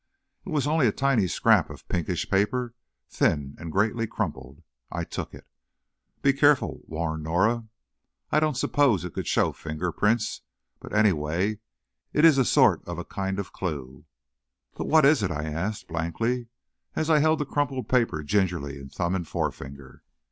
It was only a tiny scrap of pinkish paper, thin and greatly crumpled. I took it. "Be careful," warned Norah; "I don't suppose it could show finger prints, but anyway, it's a sort of a kind of a clew." "But what is it?" I asked, blankly, as I held the crumpled paper gingerly in thumb and forefinger.